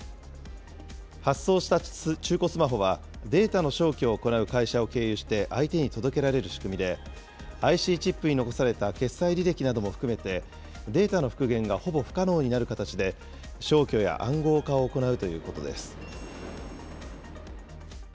発送した中古スマホはデータの消去を行う会社を経由して相手に届けられる仕組みで、ＩＣチップに残された決済履歴なども含めて、データの復元がほぼ不可能になる形で、消去や暗号化を行うということです。